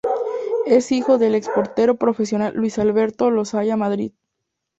Es hijo del ex portero profesional Luis Alberto Lozoya Madrid.